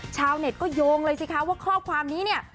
ชาวเน็ตก็โยงเลยสิคะว่าข้อความนี้เนี่ย